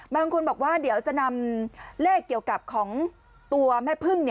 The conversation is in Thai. บางคนบอกว่าเดี๋ยวจะนำเลขเกี่ยวกับของตัวแม่พึ่ง